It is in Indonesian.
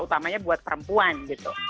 utamanya buat perempuan gitu